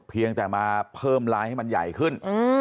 เพียงแต่มาเพิ่มลายให้มันใหญ่ขึ้น